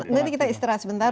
nanti kita istirahat sebentar